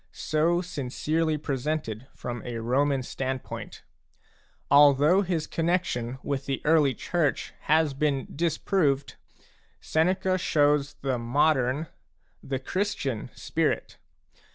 so sincerely presented from a Roman standpoint. Although his connexion with the early Church has been disproved, Seneca Jshows the modern, the Christian, spirit.